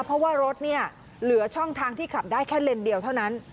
เพราะว่ารถเนี่ยเหลือช่องทางที่ขับได้แค่เลนเดียวเท่านั้น